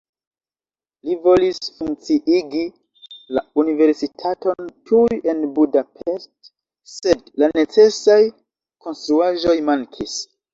Li volis funkciigi la universitaton tuj en Buda-Pest, sed la necesaj konstruaĵoj mankis.